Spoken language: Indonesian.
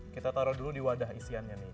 kita taruh dulu di wadah isiannya nih